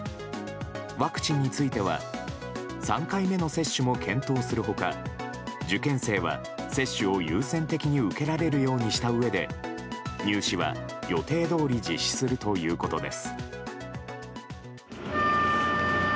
ワクチンについては３回目の接種も検討する他受験生は接種を優先的に受けられるようにしたうえで入試は、予定どおり実施するということです。